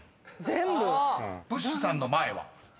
全部⁉［ブッシュさんの前は？］